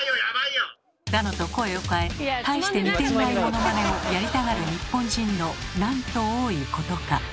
だのと声を変え大して似ていないものまねをやりたがる日本人のなんと多いことか。